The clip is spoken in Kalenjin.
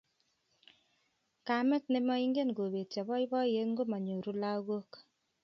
Kamet nemoingen kobetyo boiboiyet ngomanyor lagok